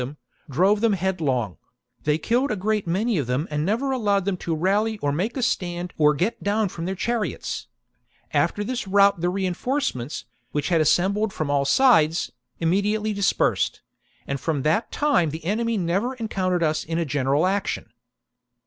V OF BRITAIN 139 them, drove them headlong : they killed a great 54 b.c. many of them and never allowed them to rally or make a stand or get down from their chariots. After this rout the reinforcements, which had assembled from all sides, immediately dispersed ; and from that time the enemy never encountered us in a general action.